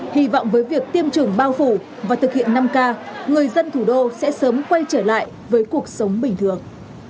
hy vọng với việc tiêm chủng bao phủ và thực hiện năm k người dân thủ đô sẽ sớm quay trở lại với cuộc sống bình thường